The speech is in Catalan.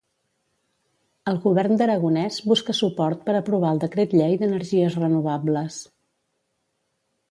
El govern d'Aragonès busca suport per aprovar el decret llei d'energies renovables.